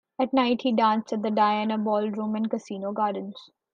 At night, he danced at the Diana Ballroom and Casino Gardens.